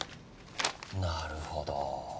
なるほど。